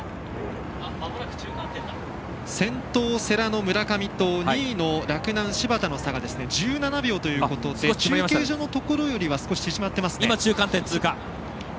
先頭、世羅の村上と２位の洛南、柴田の差が１７秒ということで中継所のところよりは縮まっています。